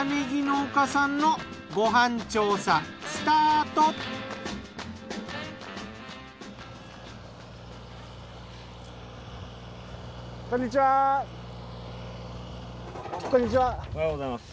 おはようございます。